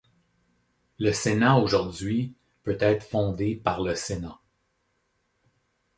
Le sénat aujourd'hui peut être fondé par le sénat.